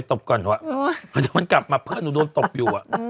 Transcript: แต่มันกลับมาเพื่อนหนูโดนตบอยู่อ่ะ